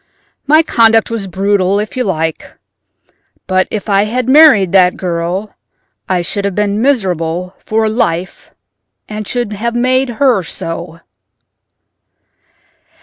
My conduct was brutal if you like, but if I had married that girl I should have been miserable for life and should have made her so."